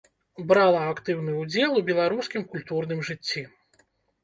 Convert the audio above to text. Брала актыўны ўдзел у беларускім культурным жыцці.